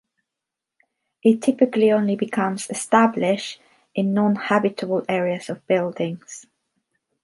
It typically only becomes established in non habitable areas of buildings.